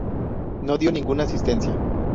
No dio ninguna asistencia.